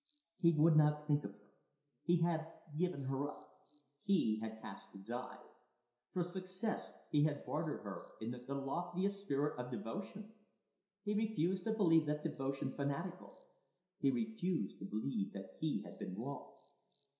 He would not think of her. He had given her up. He had cast the die. For success he had bartered her, in the noblest, the loftiest spirit of devotion. He refused to believe that devotion fanatical; he refused to believe that he had been wrong.